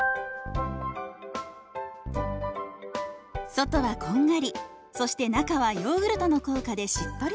外はこんがりそして中はヨーグルトの効果でしっとりです。